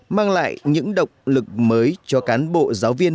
mang lại những động lực mới cho cán bộ giáo viên